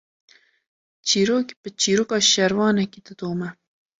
Çîrok, bi çîroka şervanekî didome